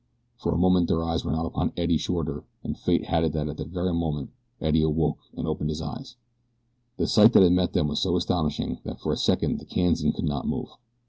For a moment their eyes were not upon Eddie Shorter and Fate had it that at that very moment Eddie awoke and opened his own eyes. The sight that met them was so astonishing that for a second the Kansan could not move.